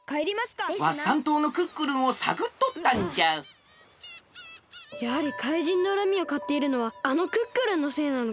ワッサン島のクックルンをさぐっとったんじゃやはり怪人のうらみをかっているのはあのクックルンのせいなのか！？